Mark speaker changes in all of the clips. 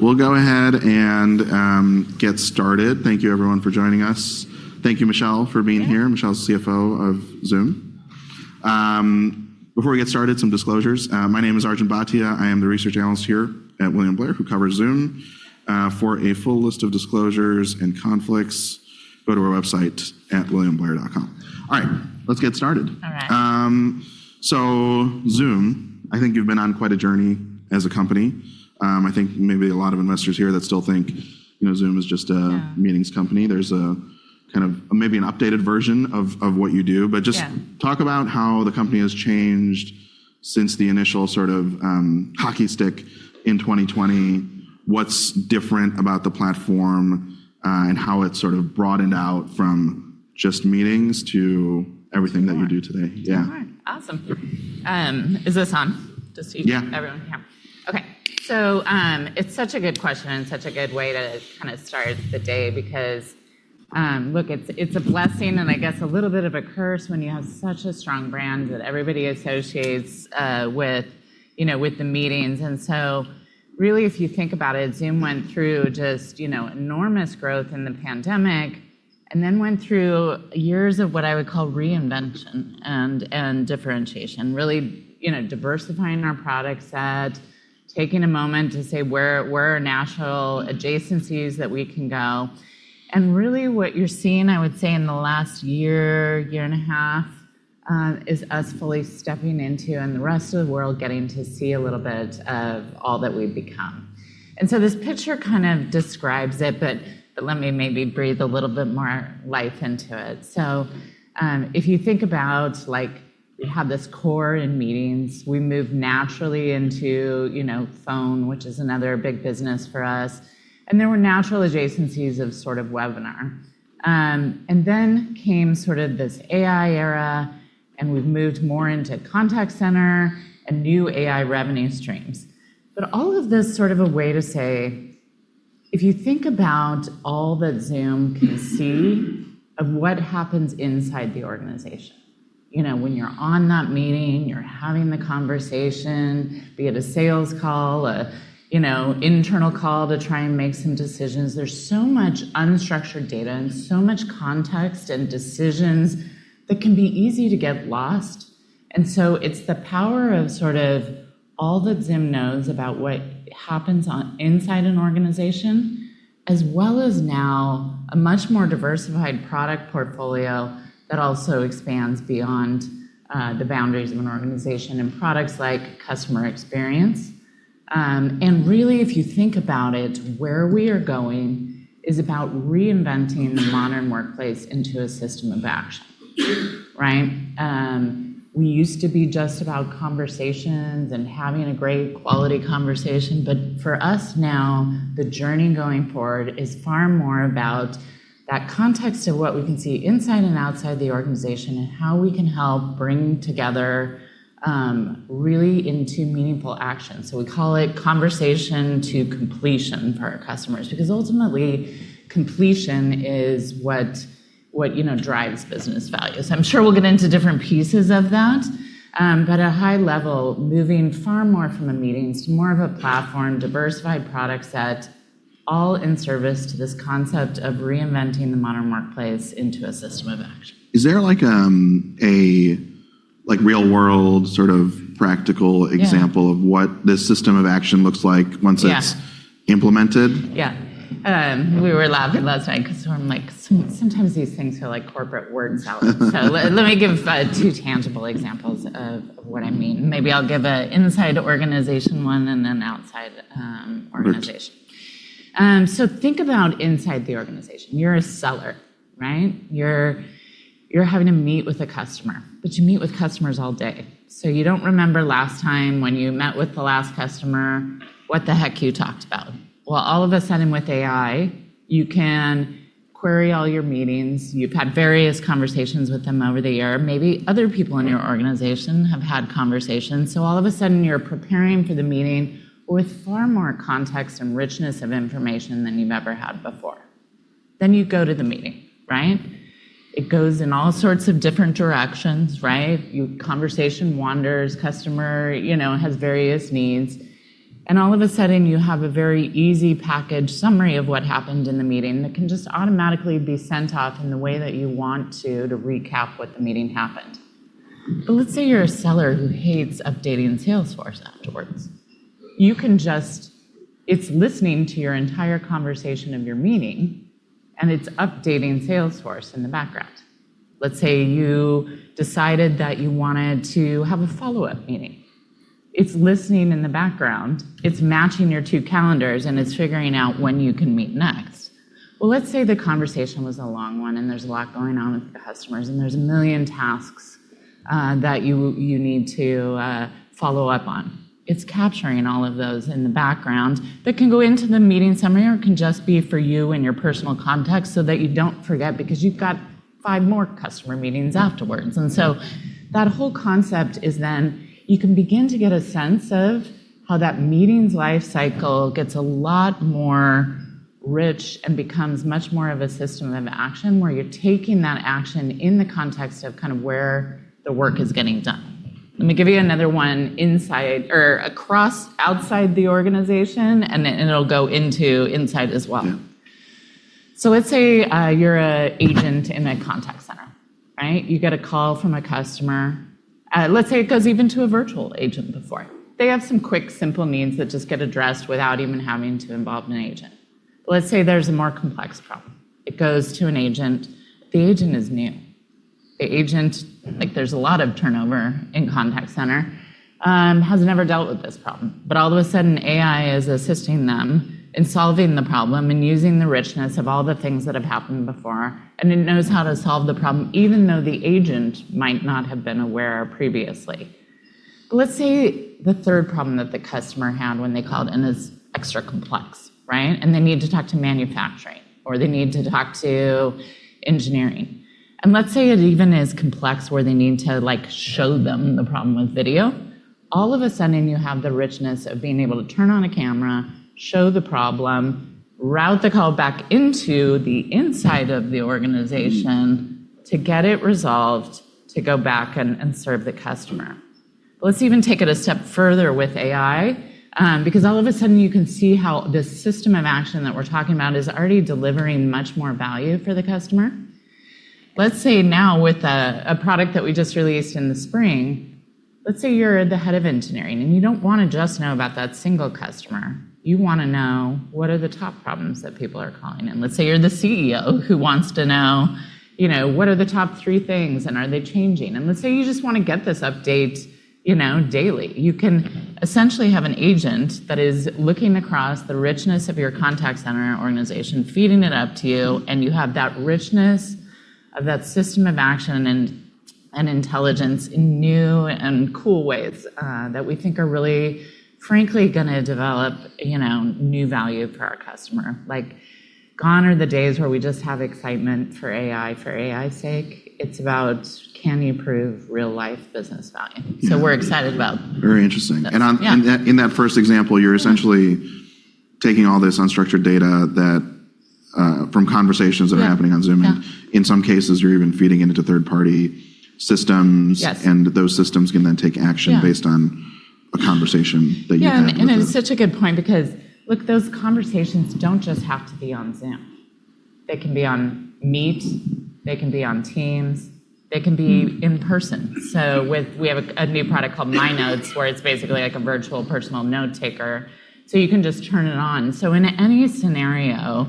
Speaker 1: We'll go ahead and get started. Thank you everyone for joining us. Thank you, Michelle, for being here.
Speaker 2: Yeah.
Speaker 1: Michelle's the CFO of Zoom. Before we get started, some disclosures. My name is Arjun Bhatia. I am the research analyst here at William Blair, who covers Zoom. For a full list of disclosures and conflicts, go to our website at williamblair.com. All right. Let's get started.
Speaker 2: All right.
Speaker 1: Zoom, I think you've been on quite a journey as a company. I think maybe a lot of investors here that still think Zoom is just-
Speaker 2: Yeah
Speaker 1: meetings company. There's maybe an updated version of what you do.
Speaker 2: Yeah.
Speaker 1: Just talk about how the company has changed since the initial sort of hockey stick in 2020. What's different about the platform, and how it's sort of broadened out from just meetings to everything that you do today.
Speaker 2: Sure.
Speaker 1: Yeah.
Speaker 2: Awesome. Is this on?
Speaker 1: Yeah
Speaker 2: Everyone can hear me? Okay. It's such a good question, and such a good way to start the day because, look, it's a blessing, and I guess a little bit of a curse when you have such a strong brand that everybody associates with the meetings. Really if you think about it, Zoom went through just enormous growth in the pandemic, and then went through years of what I would call reinvention and differentiation. Really diversifying our product set, taking a moment to say, "Where are natural adjacencies that we can go?" Really what you're seeing, I would say in the last year and a half, is us fully stepping into, and the rest of the world getting to see a little bit of all that we've become. This picture kind of describes it, but let me maybe breathe a little bit more life into it. If you think about how this core in meetings, we move naturally into Phone, which is another big business for us. There were natural adjacencies of webinar. Then came this AI era, and we've moved more into Contact Center, and new AI revenue streams. All of this sort of a way to say, if you think about all that Zoom can see of what happens inside the organization. When you're on that meeting, you're having the conversation, be it a sales call, internal call to try and make some decisions. There's so much unstructured data and so much context and decisions that can be easy to get lost. It's the power of all that Zoom knows about what happens inside an organization, as well as now a much more diversified product portfolio that also expands beyond the boundaries of an organization, and products like Zoom CX. Really if you think about it, where we are going is about reinventing the modern workplace into a system of action. We used to be just about conversations and having a great quality conversation. For us now, the journey going forward is far more about that context of what we can see inside and outside the organization, and how we can help bring together really into meaningful action. We call it conversation to completion for our customers, because ultimately completion is what drives business value. I'm sure we'll get into different pieces of that. At high level, moving far more from the meetings to more of a platform, diversified product set, all in service to this concept of reinventing the modern workplace into a system of action.
Speaker 1: Is there a real-world sort of practical example-
Speaker 2: Yeah.
Speaker 1: -of what this system of action looks like once it's-
Speaker 2: Yeah.
Speaker 1: -implemented?
Speaker 2: Yeah. We were laughing last night because I'm like, "Sometimes these things are like corporate word salad." Let me give two tangible examples of what I mean. Maybe I'll give a inside organization one, and then outside organization.
Speaker 1: Sure.
Speaker 2: Think about inside the organization. You're a seller, right? You're having a meet with a customer, but you meet with customers all day. You don't remember last time when you met with the last customer, what the heck you talked about? Well, all of a sudden with AI, you can query all your meetings. You've had various conversations with them over the year. Maybe other people in your organization have had conversations. All of a sudden you're preparing for the meeting with far more context and richness of information than you've ever had before. You go to the meeting, right? It goes in all sorts of different directions, right? Conversation wanders. Customer has various needs. All of a sudden you have a very easy package summary of what happened in the meeting that can just automatically be sent off in the way that you want to recap what in the meeting happened. Let's say you're a seller who hates updating Salesforce afterwards. It's listening to your entire conversation of your meeting, and it's updating Salesforce in the background. Let's say you decided that you wanted to have a follow-up meeting. It's listening in the background, it's matching your two calendars, and it's figuring out when you can meet next. Let's say the conversation was a long one and there's a lot going on with the customers, and there's a million tasks that you need to follow up on. It's capturing all of those in the background. That can go into the meeting summary, or it can just be for you and your personal context, so that you don't forget because you've got five more customer meetings afterwards. That whole concept is you can begin to get a sense of how that meeting's life cycle gets a lot more rich and becomes much more of a system of action, where you're taking that action in the context of kind of where the work is getting done. Let me give you another one outside the organization, and it'll go into inside as well.
Speaker 1: Yeah.
Speaker 2: Let's say you're an agent in a contact center. You get a call from a customer. Let's say it goes even to a virtual agent before. They have some quick, simple needs that just get addressed without even having to involve an agent. Let's say there's a more complex problem. It goes to an agent. The agent is new. The agent, there's a lot of turnover in contact center, has never dealt with this problem. All of a sudden, AI is assisting them in solving the problem and using the richness of all the things that have happened before, and it knows how to solve the problem, even though the agent might not have been aware previously. Let's say the third problem that the customer had when they called in is extra complex. They need to talk to manufacturing, or they need to talk to engineering. Let's say it even is complex where they need to show them the problem with video. All of a sudden, you have the richness of being able to turn on a camera, show the problem, route the call back into the inside of the organization to get it resolved, to go back and serve the customer. Let's even take it a step further with AI, because all of a sudden you can see how this system of action that we're talking about is already delivering much more value for the customer. Let's say now with a product that we just released in the spring, let's say you're the head of engineering, and you don't want to just know about that single customer. You want to know what are the top problems that people are calling in. Let's say you're the CEO who wants to know what are the top three things, and are they changing? Let's say you just want to get this update daily. You can essentially have an agent that is looking across the richness of your contact center organization, feeding it up to you, and you have that richness of that system of action and intelligence in new and cool ways that we think are really, frankly, going to develop new value for our customer. Gone are the days where we just have excitement for AI for AI's sake. It's about can you prove real-life business value? We're excited about-
Speaker 1: Very interesting.
Speaker 2: Yeah.
Speaker 1: -in that first example, you're essentially taking all this unstructured data from conversations that are happening on Zoom.
Speaker 2: Yeah.
Speaker 1: In some cases, you're even feeding it into third-party systems.
Speaker 2: Yes.
Speaker 1: Those systems can then take action-
Speaker 2: Yeah.
Speaker 1: -based on a conversation that you've had with
Speaker 2: Yeah, it's such a good point because, look, those conversations don't just have to be on Zoom. They can be on Meet, they can be on Teams, they can be in person. We have a new product called My Notes, where it's basically like a virtual personal note-taker, so you can just turn it on. In any scenario,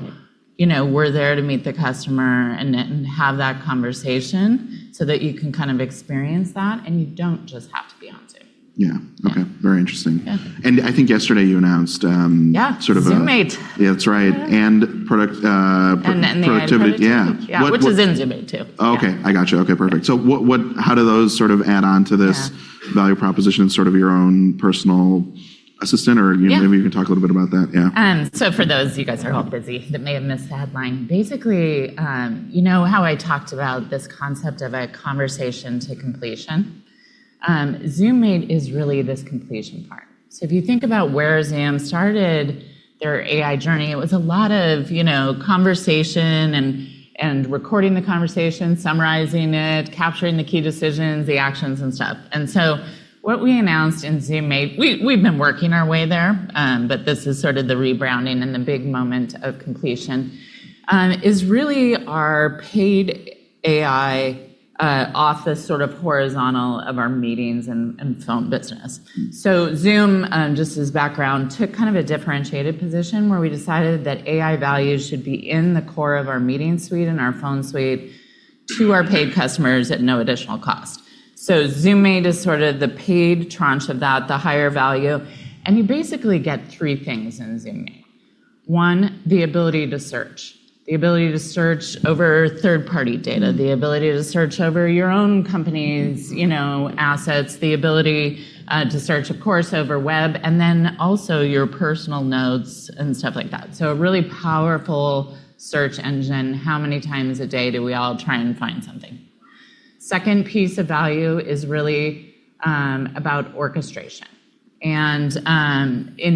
Speaker 2: we're there to meet the customer and have that conversation so that you can experience that, and you don't just have to be on Zoom.
Speaker 1: Yeah. Okay.
Speaker 2: Yeah.
Speaker 1: Very interesting.
Speaker 2: Yeah.
Speaker 1: I think yesterday you announced-
Speaker 2: Yeah
Speaker 1: -sort of a-
Speaker 2: ZoomMate.
Speaker 1: Yeah, that's right.
Speaker 2: -the AI Productivity.
Speaker 1: Yeah.
Speaker 2: Which is in ZoomMate, too.
Speaker 1: Okay. I got you. Okay, perfect. How do those add on to this-
Speaker 2: Yeah.
Speaker 1: -value proposition, sort of your own personal assistant.
Speaker 2: Yeah.
Speaker 1: Maybe you can talk a little bit about that, yeah.
Speaker 2: For those, you guys are all busy, that may have missed the headline, basically, you know how I talked about this concept of a conversation to completion? ZoomMate is really this completion part. If you think about where Zoom started their AI journey, it was a lot of conversation and recording the conversation, summarizing it, capturing the key decisions, the actions, and stuff. What we announced in ZoomMate, we've been working our way there, but this is sort of the rebranding and the big moment of completion, is really our paid AI office sort of horizontal of our meetings and Phone business. Zoom, just as background, took kind of a differentiated position where we decided that AI value should be in the core of our meeting suite and our Phone suite to our paid customers at no additional cost. ZoomMate is sort of the paid tranche of that, the higher value. You basically get three things in ZoomMate. One, the ability to search. The ability to search over third-party data, the ability to search over your own company's assets, the ability to search, of course, over web, and then also your personal notes and stuff like that. A really powerful search engine. How many times a day do we all try and find something? Second piece of value is really about orchestration. In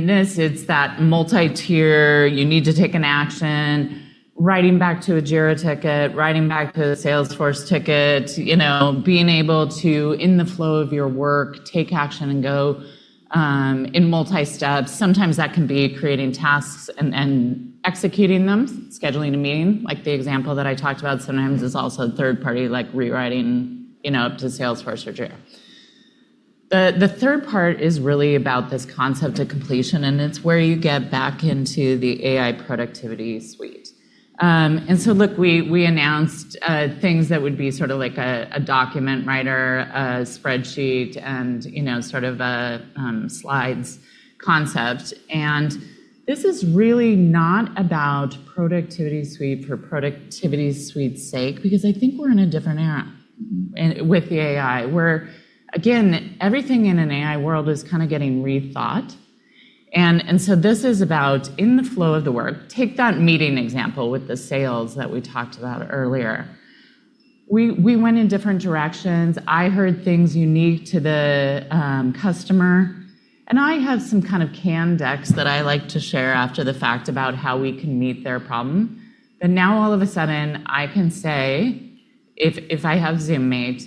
Speaker 2: this, it's that multi-tier, you need to take an action, writing back to a Jira ticket, writing back to a Salesforce ticket. Being able to, in the flow of your work, take action and go in multi-steps. Sometimes that can be creating tasks and executing them, scheduling a meeting. Like the example that I talked about, sometimes it's also third party, like rewriting up to Salesforce or Jira. The third part is really about this concept of completion, and it's where you get back into the AI Productivity Suite. Look, we announced things that would be sort of like a document writer, a spreadsheet, and sort of a slides concept. This is really not about productivity suite for productivity suite's sake, because I think we're in a different era with the AI, where again, everything in an AI world is kind of getting rethought. This is about in the flow of the work. Take that meeting example with the sales that we talked about earlier. We went in different directions. I heard things unique to the customer. I have some kind of canned decks that I like to share after the fact about how we can meet their problem. Now all of a sudden, I can say, if I have ZoomMate,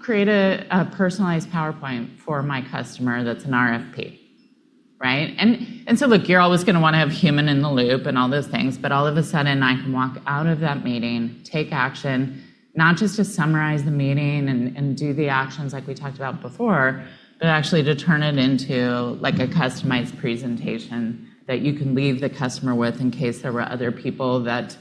Speaker 2: create a personalized PowerPoint for my customer that's an RFP, right? Look, you're always going to want to have human in the loop and all those things, but all of a sudden, I can walk out of that meeting, take action, not just to summarize the meeting and do the actions like we talked about before, but actually to turn it into a customized presentation that you can leave the customer with in case there were other people that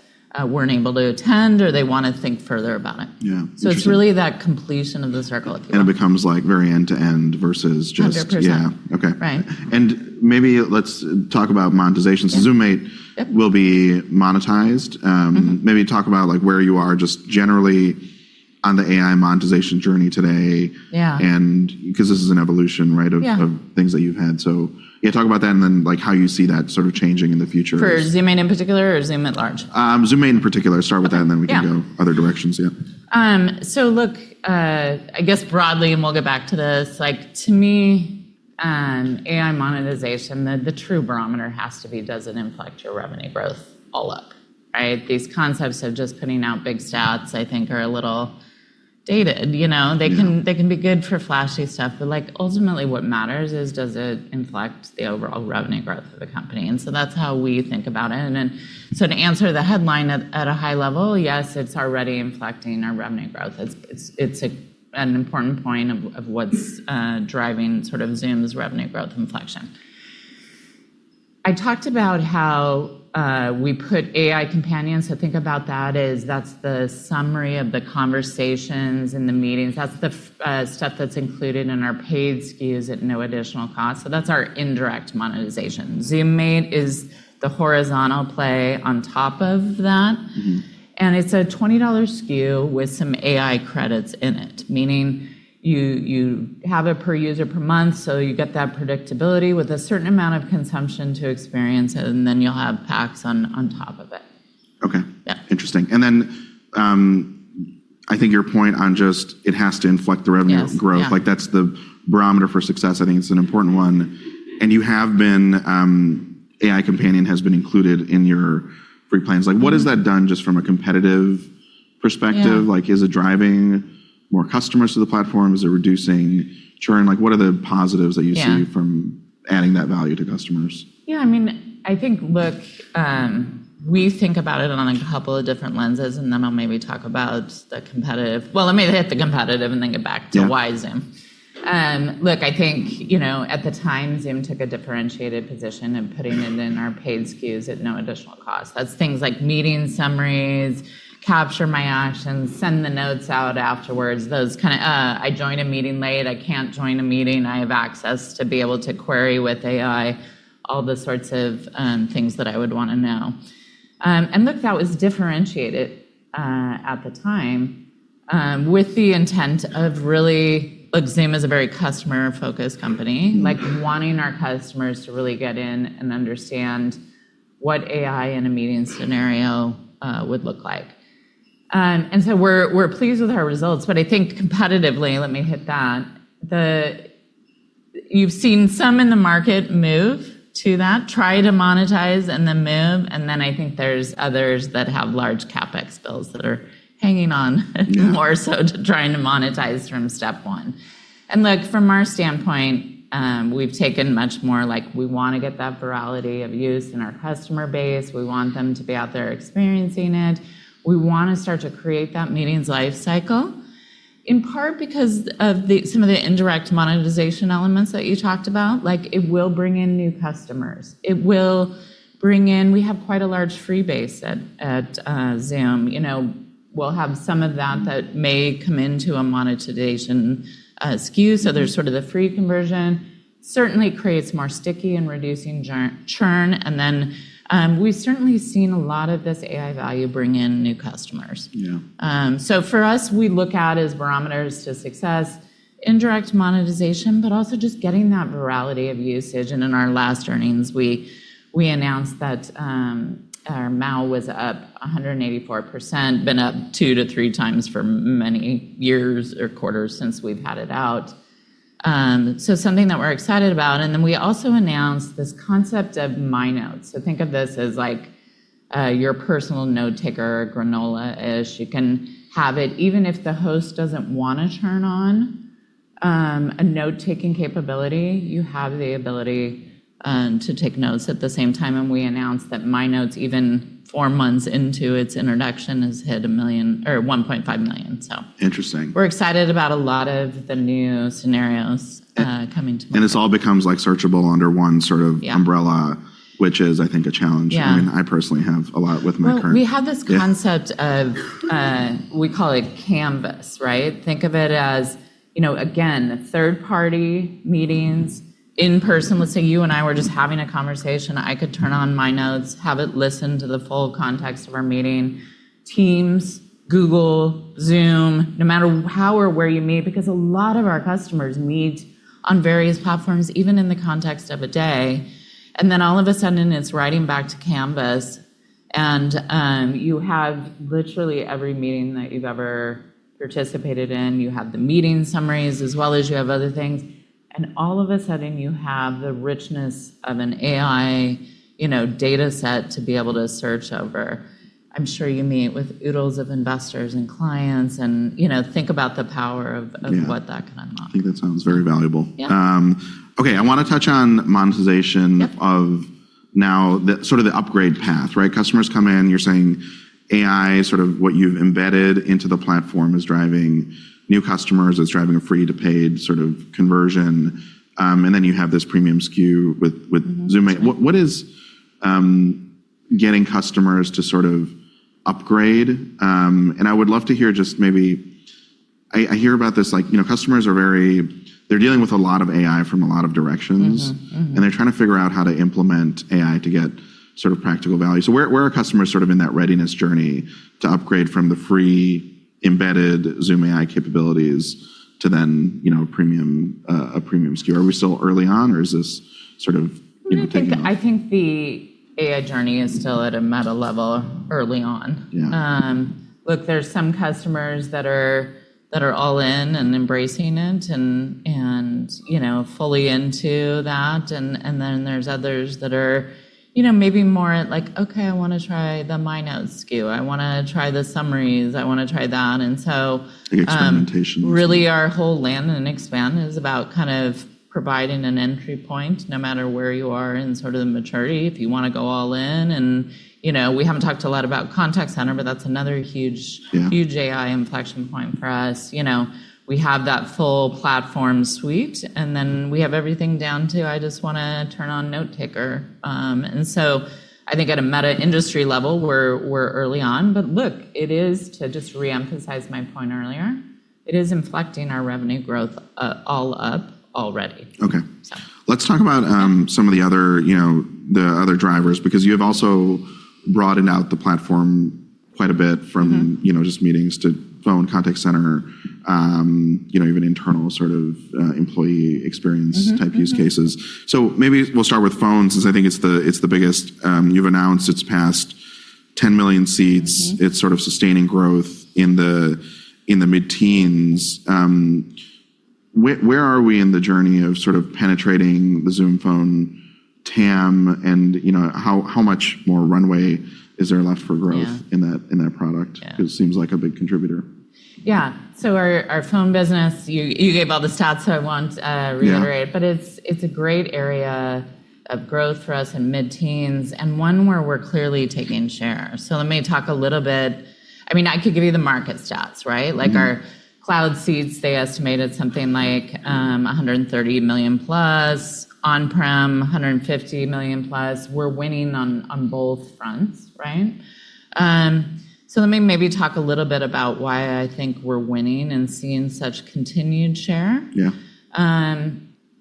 Speaker 2: weren't able to attend or they want to think further about it.
Speaker 1: Yeah. Interesting.
Speaker 2: It's really that completion of the circle, if you will-
Speaker 1: It becomes very end-to-end versus-
Speaker 2: 100%.
Speaker 1: Yeah. Okay.
Speaker 2: Right.
Speaker 1: Maybe let's talk about monetization.
Speaker 2: Yeah.
Speaker 1: ZoomMate-
Speaker 2: Yep.
Speaker 1: -will be monetized. Maybe talk about where you are just generally on the AI monetization journey today?
Speaker 2: Yeah.
Speaker 1: Because this is an evolution, right?
Speaker 2: Yeah
Speaker 1: -of things that you've had. Yeah, talk about that and then how you see that sort of changing in the future?
Speaker 2: For ZoomMate in particular or Zoom at large?
Speaker 1: ZoomMate in particular. Start with that.
Speaker 2: Okay. Yeah.
Speaker 1: We can go other directions, yeah.
Speaker 2: Look, I guess broadly, and we'll get back to this, to me, AI monetization, the true barometer has to be does it inflect your revenue growth all up, right? These concepts of just putting out big stats I think are a little dated.
Speaker 1: Yeah.
Speaker 2: They can be good for flashy stuff, but ultimately what matters is does it inflect the overall revenue growth of the company. That's how we think about it. To answer the headline at a high level, yes, it's already inflecting our revenue growth. It's an important point of what's driving sort of Zoom's revenue growth inflection. I talked about how we put AI Companions. Think about that as that's the summary of the conversations in the meetings. That's the stuff that's included in our paid SKUs at no additional cost. That's our indirect monetization. ZoomMate is the horizontal play on top of that. It's a $20 SKU with some AI credits in it, meaning you have it per user per month, so you get that predictability with a certain amount of consumption to experience it, and then you'll have packs on top of it.
Speaker 1: Okay.
Speaker 2: Yeah.
Speaker 1: Interesting. I think your point on just it has to inflect the revenue growth.
Speaker 2: Yes. Yeah.
Speaker 1: like that's the barometer for success. I think it's an important one. AI Companion has been included in your free plans. What has that done just from a competitive perspective?
Speaker 2: Yeah.
Speaker 1: Is it driving more customers to the platform? Is it reducing churn? What are the positives that you see-
Speaker 2: Yeah.
Speaker 1: -from adding that value to customers?
Speaker 2: Yeah, I think, look, we think about it on a couple of different lenses. Let me hit the competitive and then get back to why Zoom.
Speaker 1: Yeah.
Speaker 2: Look, I think, at the time, Zoom took a differentiated position in putting it in our paid SKUs at no additional cost. That's things like meeting summaries, capture my actions, send the notes out afterwards. Those kind of, I join a meeting late, I can't join a meeting, I have access to be able to query with AI all the sorts of things that I would want to know. Look, that was differentiated at the time with the intent of really, look, Zoom is a very customer-focused company. Wanting our customers to really get in and understand what AI in a meeting scenario would look like. We're pleased with our results, but I think competitively, let me hit that, you've seen some in the market move to that, try to monetize and then move, and then I think there's others that have large CapEx bills that are hanging on more so to trying to monetize from step one. From our standpoint, we've taken much more like we want to get that virality of use in our customer base. We want them to be out there experiencing it. We want to start to create that meetings life cycle, in part because of some of the indirect monetization elements that you talked about. Like it will bring in new customers. We have quite a large free base at Zoom. We'll have some of that that may come into a monetization SKU. There's sort of the free conversion. Certainly creates more sticky and reducing churn. We've certainly seen a lot of this AI value bring in new customers.
Speaker 1: Yeah.
Speaker 2: For us, we look at as barometers to success, indirect monetization, but also just getting that virality of usage. In our last earnings, we announced that our MAU was up 184%, been up 2x to 3x for many years or quarters since we've had it out. Something that we're excited about. We also announced this concept of My Notes. Think of this as your personal note-taker, granola-ish. You can have it even if the host doesn't want to turn on a note-taking capability. You have the ability to take notes at the same time, and we announced that My Notes, even four months into its introduction, has hit 1 million or 1.5 million.
Speaker 1: Interesting.
Speaker 2: We're excited about a lot of the new scenarios coming to light.
Speaker 1: This all becomes searchable under one sort of-
Speaker 2: Yeah
Speaker 1: -umbrella, which is, I think, a challenge.
Speaker 2: Yeah.
Speaker 1: I mean, I personally have a lot with my current-
Speaker 2: Well, we have this concept.
Speaker 1: Yeah
Speaker 2: We call it Canvas, right. Think of it as, again, third-party meetings in person. Let's say you and I were just having a conversation. I could turn on My Notes, have it listen to the full context of our meeting. Teams, Google, Zoom, no matter how or where you meet because a lot of our customers meet on various platforms, even in the context of a day. Then all of a sudden, it's writing back to Canvas. You have literally every meeting that you've ever participated in. You have the meeting summaries as well as you have other things. All of a sudden, you have the richness of an AI dataset to be able to search over. I'm sure you meet with oodles of investors and clients and think about the power of what that can unlock.
Speaker 1: I think that sounds very valuable.
Speaker 2: Yeah.
Speaker 1: Okay. I want to touch on monetization-
Speaker 2: Yep.
Speaker 1: -of now the sort of the upgrade path, right? Customers come in, you're saying AI sort of what you've embedded into the platform is driving new customers. It's driving a free to paid sort of conversion. Then you have this premium SKU with Zoom AI. What is getting customers to sort of upgrade? I would love to hear just maybe I hear about this, customers they're dealing with a lot of AI from a lot of directions. They're trying to figure out how to implement AI to get sort of practical value. Where are customers sort of in that readiness journey to upgrade from the free embedded Zoom AI capabilities to then a premium SKU? Are we still early on, or is this sort of even taking off?
Speaker 2: I think the AI journey is still at a meta level early on.
Speaker 1: Yeah.
Speaker 2: Look, there's some customers that are all in and embracing it and fully into that, and then there's others that are maybe more at like, "Okay, I want to try the My Notes SKU. I want to try the summaries. I want to try that-
Speaker 1: The experimentation.
Speaker 2: -really our whole land and expand is about kind of providing an entry point, no matter where you are in sort of the maturity. If you want to go all in and we haven't talked a lot about Contact Center, but that's another huge-
Speaker 1: Yeah.
Speaker 2: -huge AI inflection point for us. We have that full platform suite, and then we have everything down to, "I just want to turn on Note Taker." I think at a meta industry level, we're early on. Look, it is, to just reemphasize my point earlier, it is inflecting our revenue growth all up already.
Speaker 1: Okay.
Speaker 2: So-
Speaker 1: Let's talk about some of the other drivers, because you have also broadened out the platform quite a bit from just meetings to Phone, contact center, even internal sort of employee experience type use cases. Maybe we'll start with phones, since I think it's the biggest. You've announced it's past 10 million seats. It's sort of sustaining growth in the mid-teens. Where are we in the journey of sort of penetrating the Zoom Phone TAM, and how much more runway is there left for growth-
Speaker 2: Yeah.
Speaker 1: -in that product?
Speaker 2: Yeah.
Speaker 1: It seems like a big contributor.
Speaker 2: Yeah. Our Phone business, you gave all the stats, so I won't reiterate. It's a great area of growth for us in mid-teens, and one where we're clearly taking share. Let me talk a little bit. I could give you the market stats, right? Like our cloud seats, they estimated something like $130 million+. On-prem, $150 million+. We're winning on both fronts, right? Let me maybe talk a little bit about why I think we're winning and seeing such continued share.
Speaker 1: Yeah.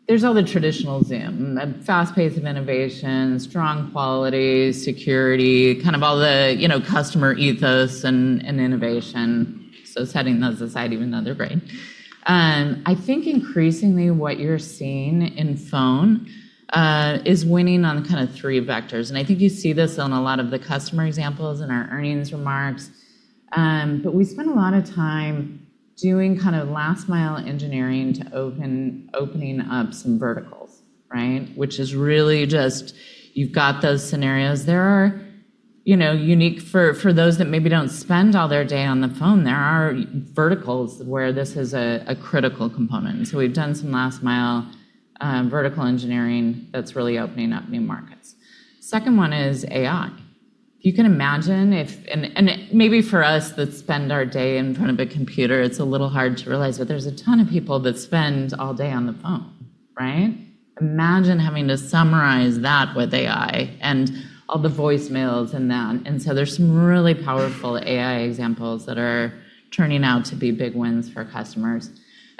Speaker 2: There's all the traditional Zoom, a fast pace of innovation, strong quality, security, kind of all the customer ethos and innovation. Setting those aside, even though they're great. I think increasingly what you're seeing in Phone is winning on kind of three vectors, and I think you see this on a lot of the customer examples in our earnings remarks. We spend a lot of time doing kind of last-mile engineering to opening up some verticals, right? Which is really just you've got those scenarios. There are unique for those that maybe don't spend all their day on the Phone, there are verticals where this is a critical component. We've done some last-mile vertical engineering that's really opening up new markets. Second one is AI. If you can imagine if, and maybe for us that spend our day in front of a computer, it's a little hard to realize, but there's a ton of people that spend all day on the phone, right? Imagine having to summarize that with AI and all the voicemails and that. There's some really powerful AI examples that are turning out to be big wins for customers.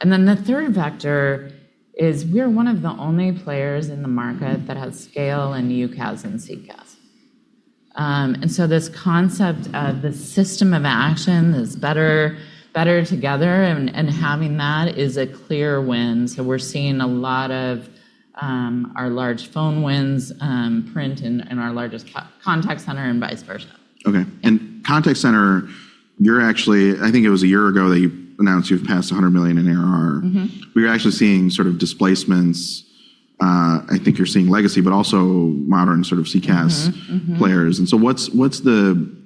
Speaker 2: Then the third vector is we're one of the only players in the market that has scale in UCaaS and CCaaS. This concept of the system of action is better together, and having that is a clear win. We're seeing a lot of our large Phone wins print in our largest Contact Center and vice versa
Speaker 1: Okay. Contact Center, you're actually, I think it was a year ago that you announced you've passed $100 million in ARR. You're actually seeing sort of displacements. I think you're seeing legacy, but also modern sort of CCaaS players. What's the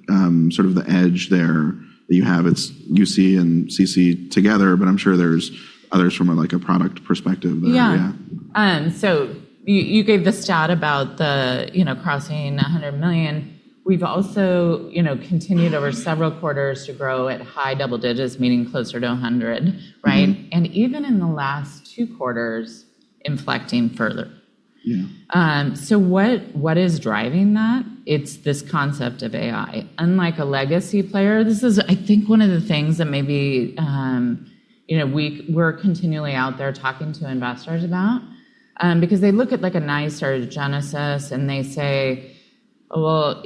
Speaker 1: sort of the edge there that you have? It's UC and CC together, but I'm sure there's others from, like, a product perspective there. Yeah.
Speaker 2: Yeah. You gave the stat about the crossing 100 million. We've also continued over several quarters to grow at high double digits, meaning closer to 100, right? Even in the last two quarters, inflecting further.
Speaker 1: Yeah.
Speaker 2: What is driving that? It's this concept of AI. Unlike a legacy player, this is, I think, one of the things that maybe we're continually out there talking to investors about. They look at like a NICE or Genesys, and they say, "Well,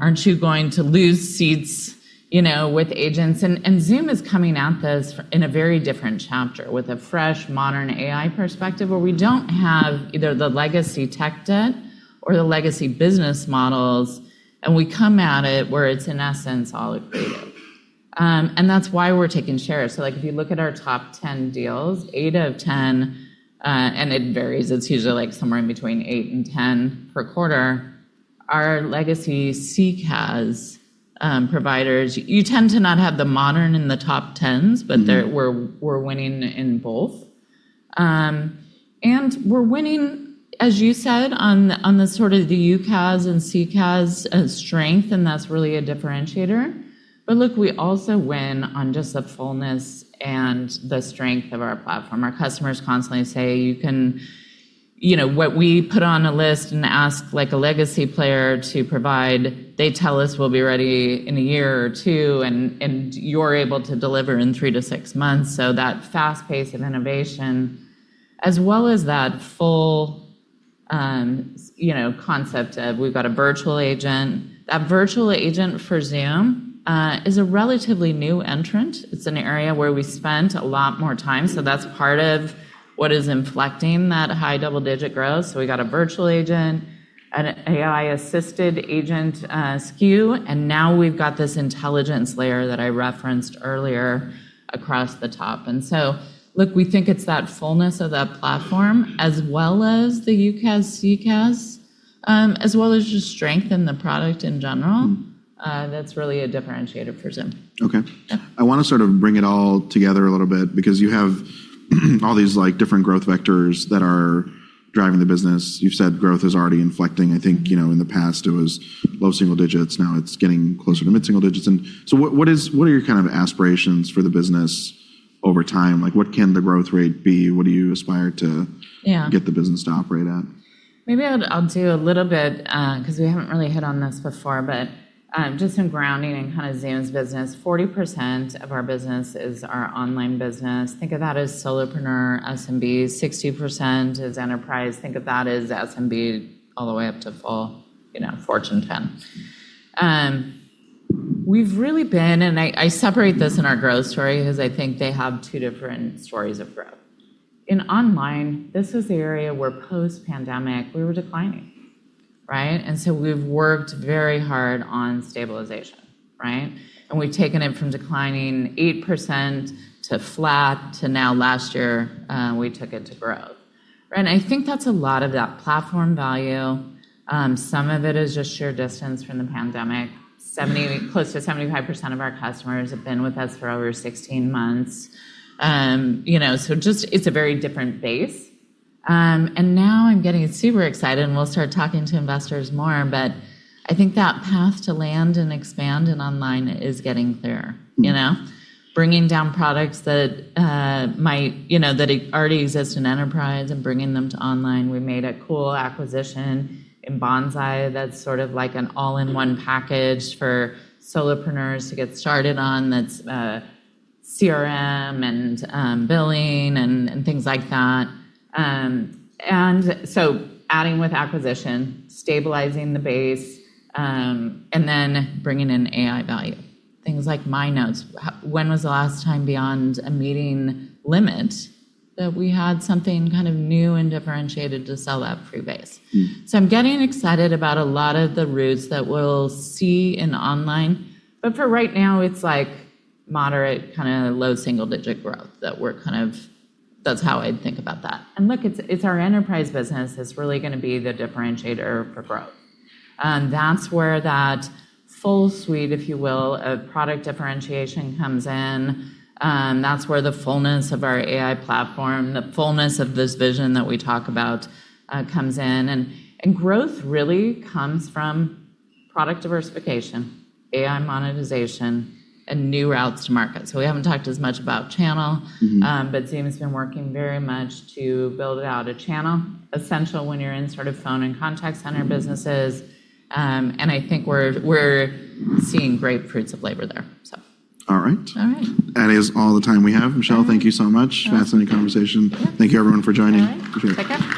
Speaker 2: aren't you going to lose seats?" with agents. Zoom is coming at this in a very different chapter, with a fresh, modern AI perspective, where we don't have either the legacy tech debt or the legacy business models, and we come at it where it's, in essence, all creative. That's why we're taking shares. If you look at our top 10 deals, eight out of 10, and it varies, it's usually somewhere in between eight and 10 per quarter, are legacy CCaaS providers. You tend to not have the modern in the top 10s. We're winning in both. We're winning, as you said, on the sort of the UCaaS and CCaaS strength, and that's really a differentiator. Look, we also win on just the fullness and the strength of our platform. Our customers constantly say, "What we put on a list and ask a legacy player to provide, they tell us will be ready in a year or two, and you're able to deliver in three to six months." That fast pace of innovation, as well as that full concept of we've got a virtual agent. That virtual agent for Zoom is a relatively new entrant. It's an area where we spent a lot more time, so that's part of what is inflecting that high double-digit growth. We got a virtual agent, an AI-assisted agent SKU, now we've got this intelligence layer that I referenced earlier across the top. Look, we think it's that fullness of that platform as well as the UCaaS, CCaaS, as well as just strength in the product in general. That's really a differentiator for Zoom.
Speaker 1: Okay.
Speaker 2: Yeah.
Speaker 1: I want to sort of bring it all together a little bit, because you have all these different growth vectors that are driving the business. You've said growth is already inflecting. I think in the past it was low single digits, now it's getting closer to mid-single digits. What are your aspirations for the business over time? What can the growth rate be? What do you aspire to
Speaker 2: Yeah.
Speaker 1: -get the business to operate at?
Speaker 2: Maybe I'll do a little bit, because we haven't really hit on this before, but just some grounding in Zoom's business. 40% of our business is our online business. Think of that as solopreneur, SMBs. 60% is enterprise. Think of that as SMB all the way up to full Fortune 10. I separate this in our growth story because I think they have two different stories of growth. In online, this is the area where post-pandemic, we were declining. Right? We've worked very hard on stabilization. Right? We've taken it from declining 8% to flat to now last year, we took it to growth. I think that's a lot of that platform value. Some of it is just sheer distance from the pandemic. Close to 75% of our customers have been with us for over 16 months. It's a very different base. Now I'm getting super excited, and we'll start talking to investors more, but I think that path to land and expand in online is getting clearer. Bringing down products that already exist in enterprise and bringing them to online. We made a cool acquisition in Bonsai that's sort of like an all-in-one package for solopreneurs to get started on. That's CRM and billing and things like that. Adding with acquisition, stabilizing the base, and then bringing in AI value. Things like My Notes. When was the last time beyond a meeting limit that we had something kind of new and differentiated to sell that pre-base? I'm getting excited about a lot of the routes that we'll see in online. For right now, it's moderate, kind of low single-digit growth. That's how I'd think about that. Look, it's our enterprise business that's really going to be the differentiator for growth. That's where that full suite, if you will, of product differentiation comes in. That's where the fullness of our AI platform, the fullness of this vision that we talk about, comes in. Growth really comes from product diversification, AI monetization, and new routes to market. We haven't talked as much about channel. Zoom has been working very much to build out a channel. Essential when you're in sort of phone and contact center businesses. I think we're seeing great fruits of labor there.
Speaker 1: All right.
Speaker 2: All right.
Speaker 1: That is all the time we have. Michelle, thank you so much.
Speaker 2: Yeah.
Speaker 1: Fascinating conversation.
Speaker 2: Yeah.
Speaker 1: Thank you everyone for joining.
Speaker 2: All right. Take care.